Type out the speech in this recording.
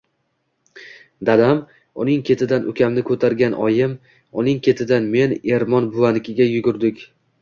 Dadam, uning ketidan ukamni ko‘targan oyim, uning ketidan men Ermon buvanikiga yugurdik.